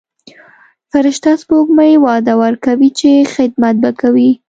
فرشته سپوږمۍ وعده ورکوي چې خدمت به کوي.